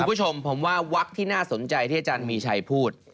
คุณผู้ชมผมว่าวักที่น่าสนใจที่อาจารย์มีชัยพูด